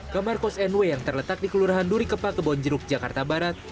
kamar kos nw yang terletak di kelurahan duri kepa kebonjeruk jakarta barat